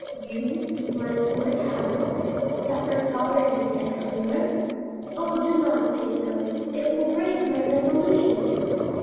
"You, my poor child, suffer poverty and hunger? Oh, do not say so; it will break my resolutions."